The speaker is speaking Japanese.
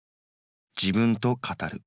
「自分と語る」。